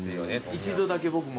一度だけ僕も。